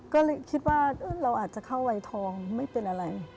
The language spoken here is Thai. ก็เลยคิดว่าเราอาจจะเข้าวัยทองไม่เป็นอะไร